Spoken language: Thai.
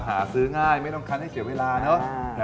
หาซื้อง่ายไม่ต้องคันให้เสียเวลาเนอะ